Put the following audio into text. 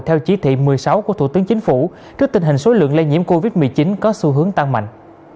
theo chỉ thị một mươi sáu của thủ tướng chính phủ trước tình hình số lượng lây nhiễm covid một mươi chín có xu hướng tăng mạnh